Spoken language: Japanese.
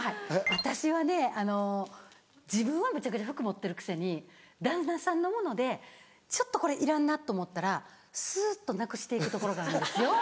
私はねあの自分はめちゃくちゃ服持ってるくせに旦那さんのものでちょっとこれいらんなと思ったらスっとなくして行くところがあるんですよ。